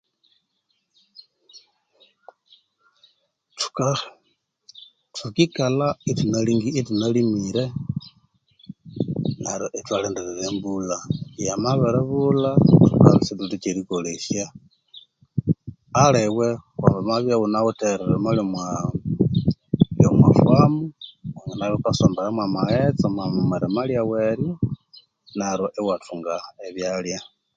Thukaa thukilha ithunalimire neryo ithwalindirira embulha yamabiri bulha thukabya isithuwithe kyerikolesya aliwe wamabya ighunawithe erilima lyaghu omwa ffamu wanginabya ghukasomberamo amghetse omwirima lyaghu eryo neryo iwathunga ebyalya